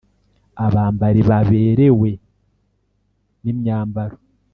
abambari baberewe n’imyambaro